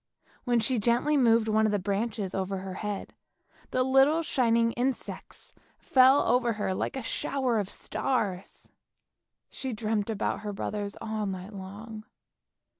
When she gently moved one of the branches over her head, the little shining insects fell over her like a shower of stars. She dreamt about her brothers all night long.